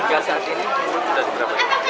tiga saat ini